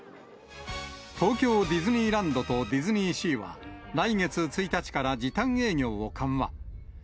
東京ディズニーランドとディズニーシーは、来月１日から時短営業を緩和。